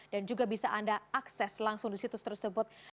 dan juga bisa anda akses langsung di situs tersebut